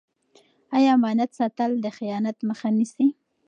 آیا امانت ساتل د خیانت مخه نیسي؟